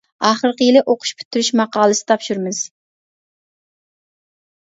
ئاخىرقى يىلى ئوقۇش پۈتتۈرۈش ماقالىسى تاپشۇرىمىز.